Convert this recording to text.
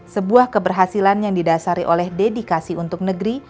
sebuah keberhasilan yang didasari oleh dedikasi untuk negeri